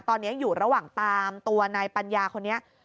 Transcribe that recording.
ตอนนี้อยู่ระหว่างตามตัวนายปัญญาคนนี้